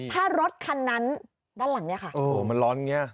ถ้ารถคันนั้นด้านหลังเนี่ยค่ะ